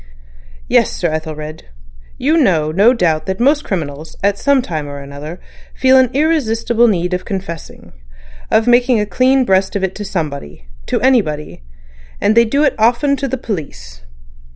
"Yes, Sir Ethelred. You know no doubt that most criminals at some time or other feel an irresistible need of confessing—of making a clean breast of it to somebody—to anybody. And they do it often to the police.